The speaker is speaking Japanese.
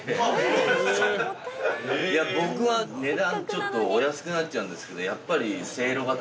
僕は値段ちょっとお安くなっちゃうんですけどやっぱり。